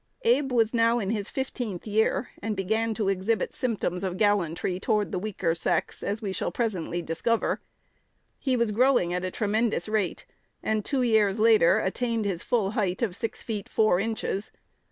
Abe was now in his fifteenth year, and began to exhibit symptoms of gallantry toward the weaker sex, as we shall presently discover. He was growing at a tremendous rate, and two years later attained his full height of six feet four inches.